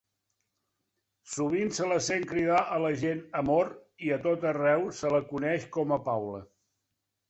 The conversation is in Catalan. Sovint se la sent cridar a la gent "amor", i a tot arreu se la coneix com a "Paula".